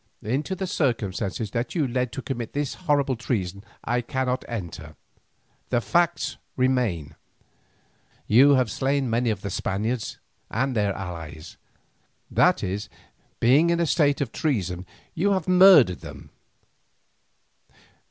Into the circumstances that led you to commit this horrible treason I cannot enter; the fact remains. You have slain many of the Spaniards and their allies; that is, being in a state of treason you have murdered them.